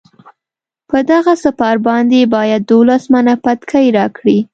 په دغه سپر باندې باید دولس منه بتکۍ راکړي.